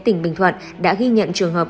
tỉnh bình thuận đã ghi nhận trường hợp